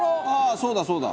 そうだ、そうだ。